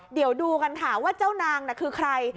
เดี๋ยวดูกันค่ะว่าเจ้านางน่ะคือใคร